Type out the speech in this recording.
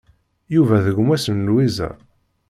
Yuba d gma-s n Lwiza.